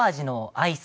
アイス？